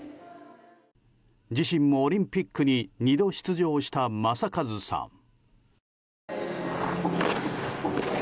自身もオリンピックに２度出場した正和さん。